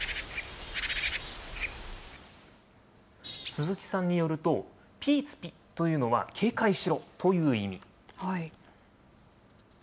鈴木さんによると、ピーツピというのは、警戒しろという意味。